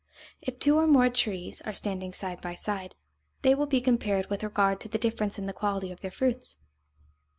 If two or more trees are standing side by side, they will be compared with regard to the difference in the quality of their fruits.